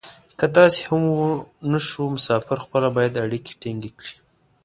که داسې هم و نه شو مسافر خپله باید اړیکې ټینګې کړي.